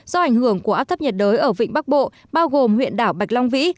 do ảnh hưởng của áp thấp nhiệt đới ở vịnh bắc bộ bao gồm huyện đảo bạch long vĩ